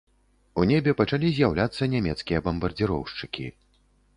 У небе пачалі з'яўляцца нямецкія бамбардзіроўшчыкі.